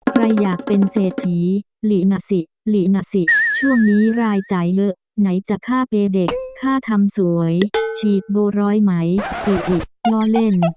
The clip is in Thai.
ใครอยากเป็นเศรษฐีหลีนะสิหลีนะสิช่วงนี้รายจ่ายเลอะไหนจะฆ่าเปย์เด็กค่าทำสวยฉีดโบรอยไหมโออิล่อเล่น